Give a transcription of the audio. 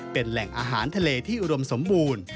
เป็นแหล่งอาหารทะเลที่อุดมสมบูรณ์